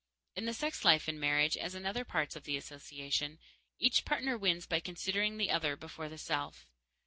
In the sex life in marriage, as in other parts of the association, each partner wins by considering the other before the self.